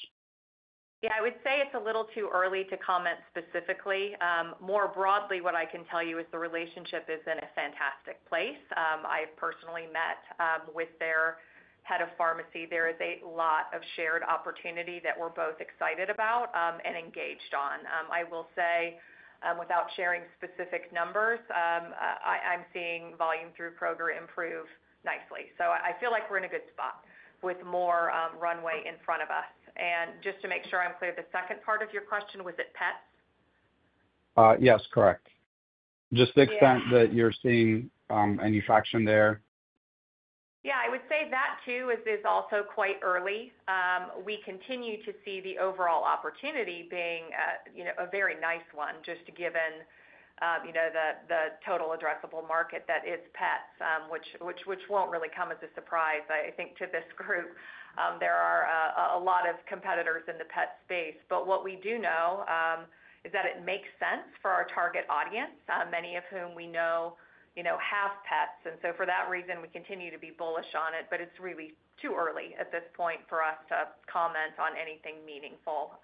Yeah. I would say it's a little too early to comment specifically. More broadly, what I can tell you is the relationship is in a fantastic place. I've personally met with their head of pharmacy. There is a lot of shared opportunity that we're both excited about and engaged on. I will say, without sharing specific numbers, I'm seeing volume through Kroger improve nicely. So, I feel like we're in a good spot with more runway in front of us. And just to make sure I'm clear, the second part of your question, was it pets? Yes. Correct. Just the extent that you're seeing manufacturing there. Yeah. I would say that, too, is also quite early. We continue to see the overall opportunity being a very nice one, just given the total addressable market that is pets, which won't really come as a surprise, I think, to this group. There are a lot of competitors in the pet space. But what we do know is that it makes sense for our target audience, many of whom we know have pets. And so, for that reason, we continue to be bullish on it. But it's really too early at this point for us to comment on anything meaningful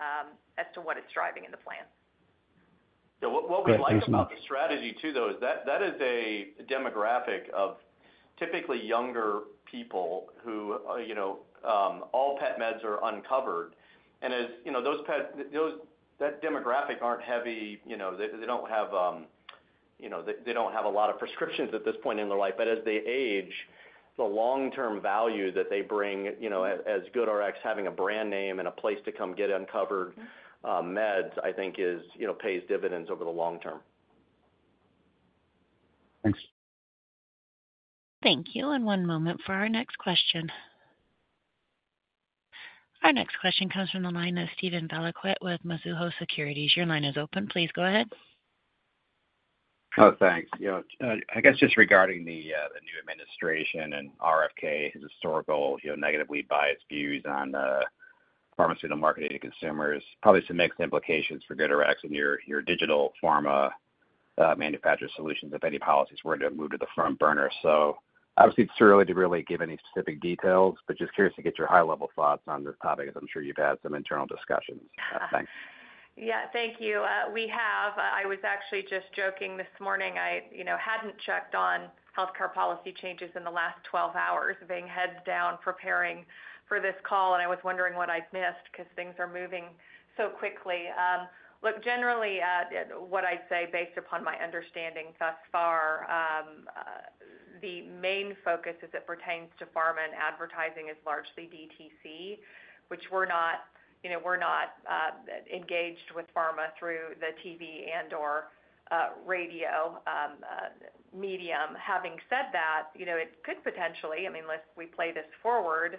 as to what it's driving in the plan. Yeah. What we'd like to know. And the strategy, too, though, is that that is a demographic of typically younger people who all pet meds are uncovered. And as those pets, that demographic aren't heavy. They don't have a lot of prescriptions at this point in their life. But as they age, the long-term value that they bring, as GoodRx having a brand name and a place to come get uncovered meds, I think, pays dividends over the long term. Thanks. Thank you. And one moment for our next question. Our next question comes from the line of Stephen Valiquette with Mizuho Securities. Your line is open. Please go ahead. Oh, thanks. I guess just regarding the new administration and RFK, his historical negatively biased views on pharmaceutical marketing to consumers, probably some mixed implications for GoodRx and your digital pharma manufacturer solutions, if any policies were to move to the front burner. So, obviously, it's too early to really give any specific details. But just curious to get your high-level thoughts on this topic, as I'm sure you've had some internal discussions. Thanks. Yeah. Thank you. I was actually just joking this morning. I hadn't checked on healthcare policy changes in the last 12 hours, being heads down preparing for this call, and I was wondering what I'd missed because things are moving so quickly. Look, generally, what I'd say, based upon my understanding thus far, the main focus as it pertains to pharma and advertising is largely DTC, which we're not engaged with pharma through the TV and/or radio medium. Having said that, it could potentially, unless we play this forward,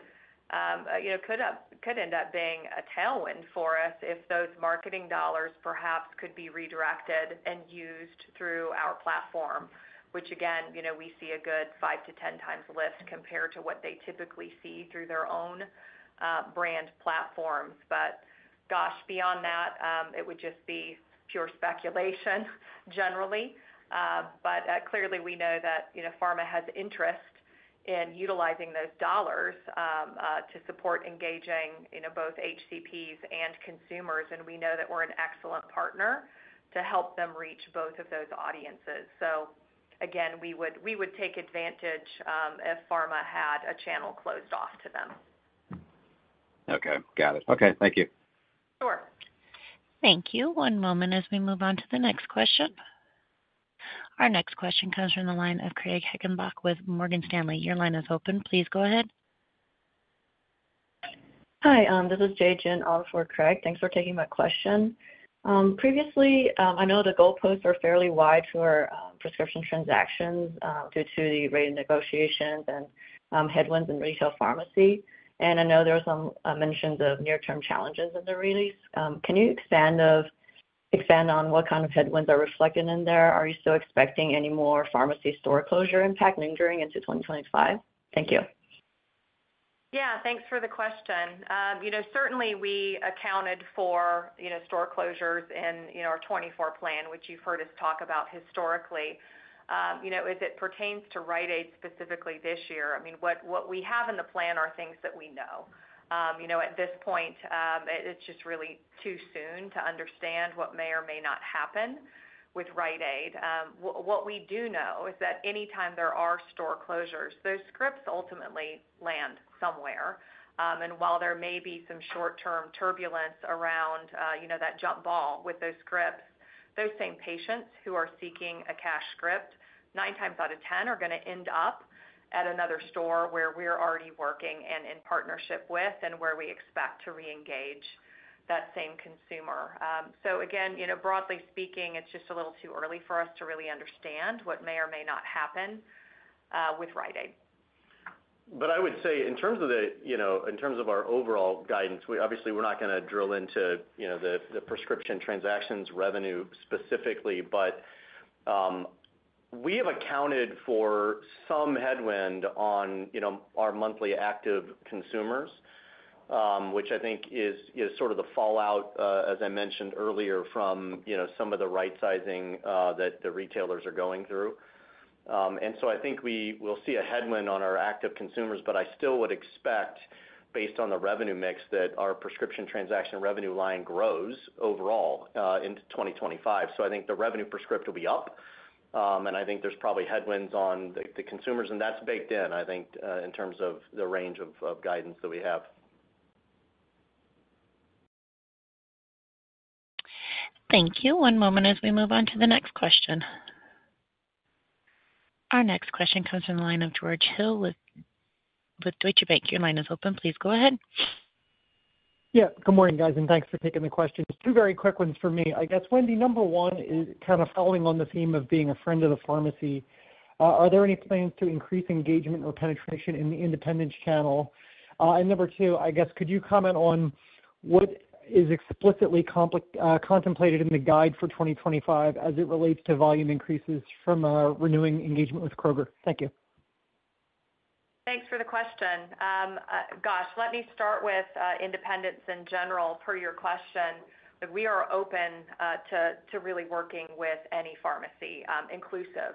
end up being a tailwind for us if those marketing dollars perhaps could be redirected and used through our platform, which, again, we see a good 5-10 times lift compared to what they typically see through their own brand platforms, but gosh, beyond that, it would just be pure speculation, generally. But clearly, we know that pharma has interest in utilizing those dollars to support engaging both HCPs and consumers. And we know that we're an excellent partner to help them reach both of those audiences. So, again, we would take advantage if pharma had a channel closed off to them. Okay. Got it. Okay. Thank you. Sure. Thank you. One moment as we move on to the next question. Our next question comes from the line of Craig Hettenbach with Morgan Stanley. Your line is open. Please go ahead. Hi. This is Jay Jin, all for Craig. Thanks for taking my question. Previously, I know the goalposts are fairly wide for prescription transactions due to the rate of negotiations and headwinds in retail pharmacy. And I know there were some mentions of near-term challenges in the release. Can you expand on what kind of headwinds are reflected in there? Are you still expecting any more pharmacy store closure impact lingering into 2025? Thank you. Yeah. Thanks for the question. Certainly, we accounted for store closures in our 2024 plan, which you've heard us talk about historically. As it pertains to Rite Aid specifically this year, I mean, what we have in the plan are things that we know. At this point, it's just really too soon to understand what may or may not happen with Rite Aid. What we do know is that anytime there are store closures, those scripts ultimately land somewhere, and while there may be some short-term turbulence around that jump ball with those scripts, those same patients who are seeking a cash script, nine times out of 10 are going to end up at another store where we're already working and in partnership with and where we expect to re-engage that same consumer. So, again, broadly speaking, it's just a little too early for us to really understand what may or may not happen with Rite Aid. But I would say, in terms of our overall guidance, obviously, we're not going to drill into the prescription transactions revenue specifically. But we have accounted for some headwind on our monthly active consumers, which I think is sort of the fallout, as I mentioned earlier, from some of the rightsizing that the retailers are going through. And so, I think we will see a headwind on our active consumers. But I still would expect, based on the revenue mix, that our prescription transaction revenue line grows overall into 2025. So, I think the revenue per script will be up. And I think there's probably headwinds on the consumers. And that's baked in, I think, in terms of the range of guidance that we have. Thank you. One moment as we move on to the next question. Our next question comes from the line of George Hill with Deutsche Bank. Your line is open. Please go ahead. Yeah. Good morning, guys. And thanks for taking the questions. Two very quick ones for me. I guess, Wendy, number one is kind of following on the theme of being a friend of the pharmacy. Are there any plans to increase engagement or penetration in the independent channel? And number two, I guess, could you comment on what is explicitly contemplated in the guide for 2025 as it relates to volume increases from renewing engagement with Kroger? Thank you. Thanks for the question. Gosh, let me start with independence in general. Per your question, we are open to really working with any pharmacy inclusive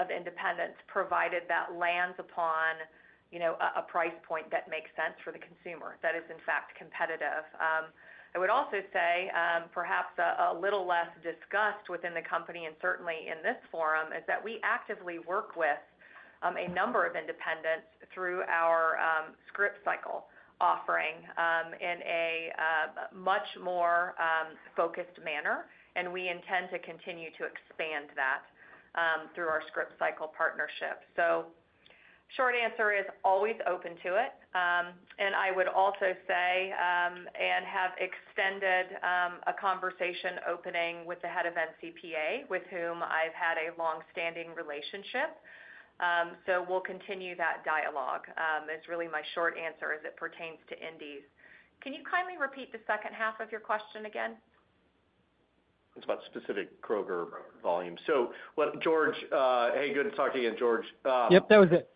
of independents, provided that lands upon a price point that makes sense for the consumer, that is, in fact, competitive. I would also say, perhaps a little less discussed within the company, and certainly in this forum, is that we actively work with a number of independents through our ScriptCycle offering in a much more focused manner. And we intend to continue to expand that through our ScriptCycle partnership. So, short answer is always open to it. And I would also say and have extended a conversation opening with the head of NCPA, with whom I've had a long-standing relationship. So, we'll continue that dialogue. That's really my short answer as it pertains to Indies. Can you kindly repeat the second half of your question again? It's about specific Kroger volumes. So, what George? Hey, good to talk to you again, George. Yep. That was it.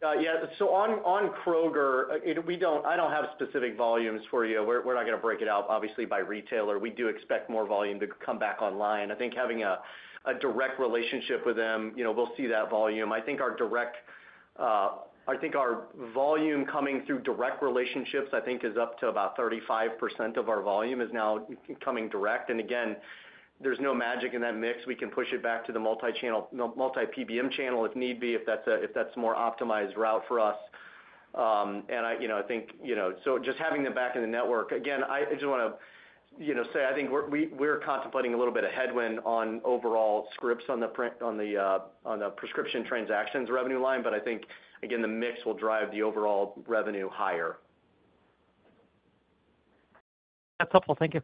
Yeah. So, on Kroger, I don't have specific volumes for you. We're not going to break it out, obviously, by retailer. We do expect more volume to come back online. I think having a direct relationship with them, we'll see that volume. I think our direct, I think our volume coming through direct relationships, I think, is up to about 35% of our volume is now coming direct. And again, there's no magic in that mix. We can push it back to the multi-PBM channel if need be, if that's a more optimized route for us. And I think so, just having them back in the network. Again, I just want to say I think we're contemplating a little bit of headwind on overall scripts on the prescription transactions revenue line. But I think, again, the mix will drive the overall revenue higher. That's helpful. Thank you.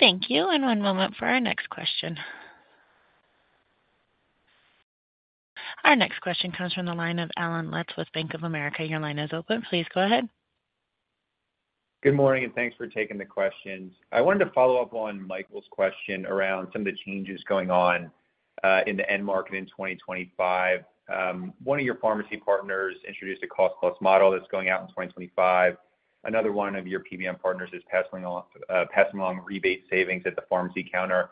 Thank you. And one moment for our next question. Our next question comes from the line of Allen Lutz with Bank of America.Your line is open. Please go ahead. Good morning. And thanks for taking the questions. I wanted to follow up on Michael's question around some of the changes going on in the end market in 2025. One of your pharmacy partners introduced a cost-plus model that's going out in 2025. Another one of your PBM partners is passing along rebate savings at the pharmacy counter.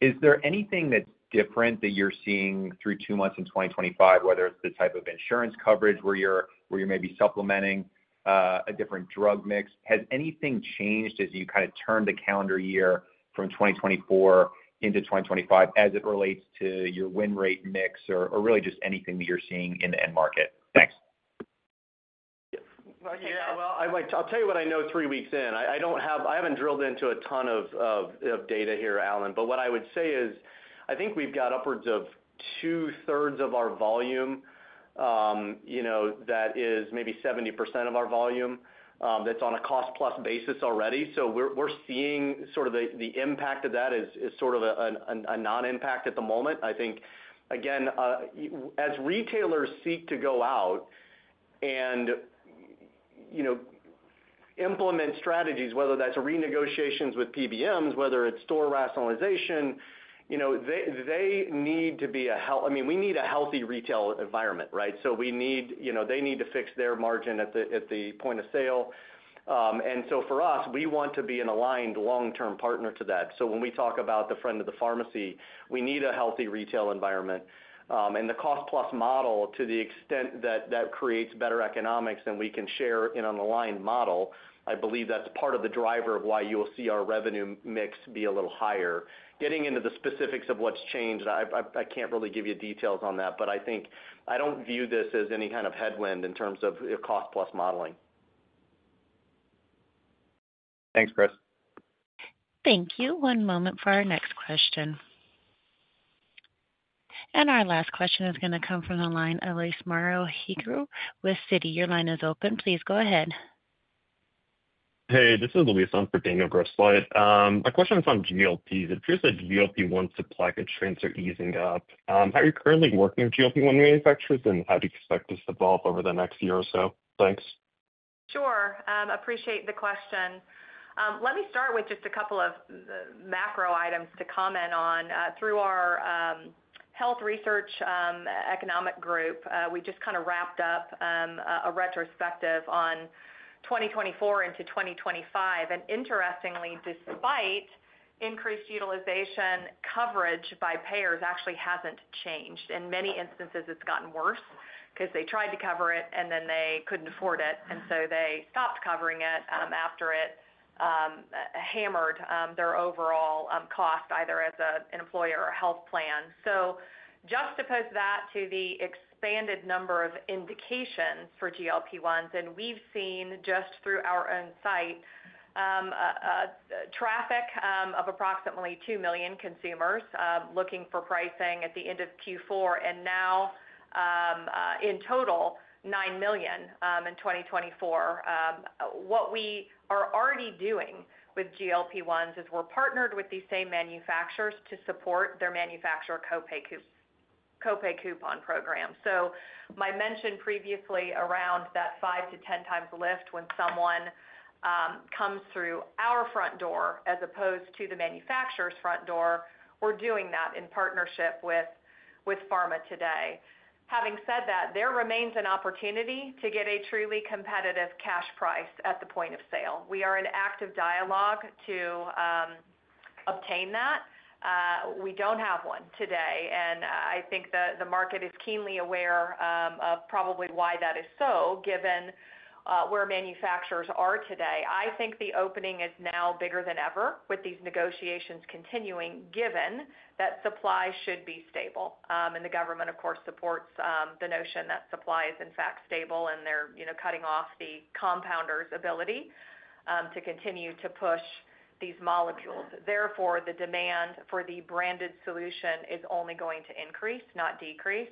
Is there anything that's different that you're seeing through two months in 2025, whether it's the type of insurance coverage where you're maybe supplementing a different drug mix? Has anything changed as you kind of turn the calendar year from 2024 into 2025 as it relates to your win rate mix or really just anything that you're seeing in the end market? Thanks. Yeah. Well, I'll tell you what I know three weeks in. I haven't drilled into a ton of data here, Alan. But what I would say is I think we've got upwards of two-thirds of our volume that is maybe 70% of our volume that's on a cost-plus basis already. So, we're seeing sort of the impact of that as sort of a non-impact at the moment. I think, again, as retailers seek to go out and implement strategies, whether that's renegotiations with PBMs, whether it's store rationalization, they need to be a—I mean, we need a healthy retail environment, right? So, they need to fix their margin at the point of sale. For us, we want to be an aligned long-term partner to that. So, when we talk about the friend of the pharmacy, we need a healthy retail environment. The cost-plus model, to the extent that that creates better economics and we can share in an aligned model, I believe that's part of the driver of why you'll see our revenue mix be a little higher. Getting into the specifics of what's changed, I can't really give you details on that. But I think I don't view this as any kind of headwind in terms of cost-plus modeling. Thanks, Chris. Thank you. One moment for our next question. Our last question is going to come from the line of Luis Moreno with Citi. Your line is open. Please go ahead. Hey, this is Luis on for Daniel Grosslight. My question is on GLP-1s. It appears that GLP-1 supply constraints are easing up. How are you currently working with GLP-1 manufacturers, and how do you expect this to evolve over the next year or so? Thanks. Sure. Appreciate the question. Let me start with just a couple of macro items to comment on. Through our health research economic group, we just kind of wrapped up a retrospective on 2024 into 2025. And interestingly, despite increased utilization, coverage by payers actually hasn't changed. In many instances, it's gotten worse because they tried to cover it, and then they couldn't afford it. And so, they stopped covering it after it hammered their overall cost, either as an employer or a health plan. So, juxtapose that to the expanded number of indications for GLP-1s. And we've seen, just through our own site, traffic of approximately 2 million consumers looking for pricing at the end of Q4, and now, in total, 9 million in 2024. What we are already doing with GLP-1s is we're partnered with these same manufacturers to support their manufacturer copay coupon program. So, my mention previously around that 5-10 times lift when someone comes through our front door as opposed to the manufacturer's front door, we're doing that in partnership with Pharma today. Having said that, there remains an opportunity to get a truly competitive cash price at the point of sale. We are in active dialogue to obtain that. We don't have one today. And I think the market is keenly aware of probably why that is so, given where manufacturers are today. I think the opening is now bigger than ever, with these negotiations continuing, given that supply should be stable, and the government, of course, supports the notion that supply is, in fact, stable, and they're cutting off the compounders' ability to continue to push these molecules. Therefore, the demand for the branded solution is only going to increase, not decrease,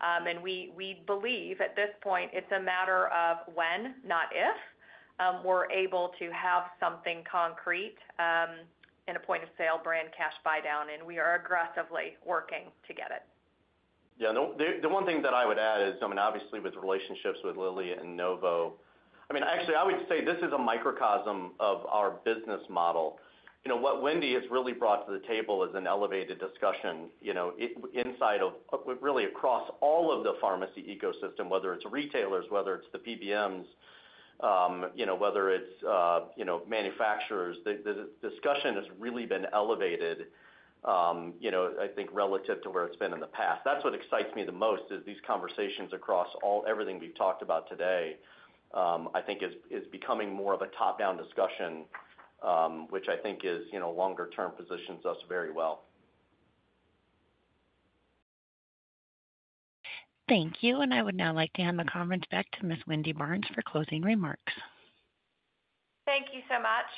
and we believe, at this point, it's a matter of when, not if, we're able to have something concrete in a point-of-sale brand cash buy-down, and we are aggressively working to get it. Yeah. The one thing that I would add is, I mean, obviously, with relationships with Lilly and Novo, I mean, actually, I would say this is a microcosm of our business model. What Wendy has really brought to the table is an elevated discussion inside of, really, across all of the pharmacy ecosystem, whether it's retailers, whether it's the PBMs, whether it's manufacturers. The discussion has really been elevated, I think, relative to where it's been in the past. That's what excites me the most, is these conversations across everything we've talked about today, I think, is becoming more of a top-down discussion, which I think is longer-term positions us very well. Thank you, and I would now like to hand the conference back to Ms. Wendy Barnes for closing remarks. Thank you so much.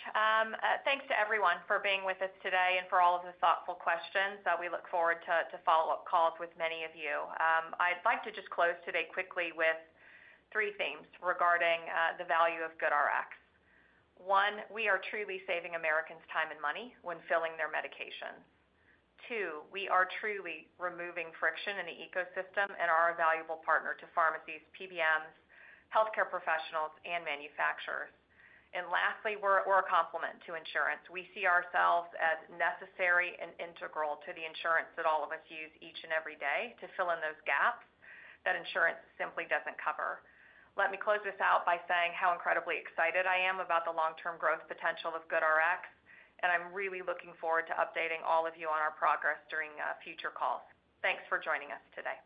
Thanks to everyone for being with us today and for all of the thoughtful questions. We look forward to follow-up calls with many of you. I'd like to just close today quickly with three themes regarding the value of GoodRx. One, we are truly saving Americans time and money when filling their medications. Two, we are truly removing friction in the ecosystem and are a valuable partner to pharmacies, PBMs, healthcare professionals, and manufacturers. And lastly, we're a complement to insurance. We see ourselves as necessary and integral to the insurance that all of us use each and every day to fill in those gaps that insurance simply doesn't cover. Let me close this out by saying how incredibly excited I am about the long-term growth potential of GoodRx. And I'm really looking forward to updating all of you on our progress during future calls. Thanks for joining us today.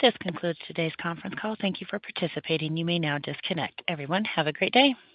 This concludes today's conference call. Thank you for participating. You may now disconnect. Everyone, have a great day.